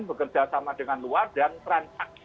bekerja sama dengan luar dan transaksi